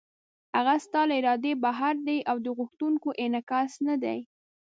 هغه ستا له ارادې بهر دی او د غوښتنو انعکاس نه دی.